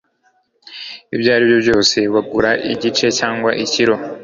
Ibyo ari byo byose bagura igice cyangwa ikiro